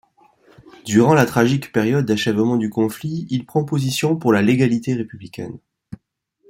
Durant la tragique période d’achèvement du conflit, il prend position pour la légalité républicaine.